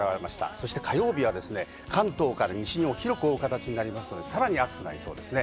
そして火曜日はですね、関東から西日本を広く覆う形になりますので、更に暑くなりそうですね。